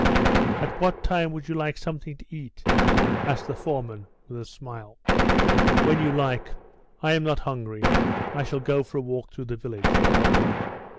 "At what time would you like something to eat?" asked the foreman, with a smile. "When you like; I am not hungry. I shall go for a walk through the village."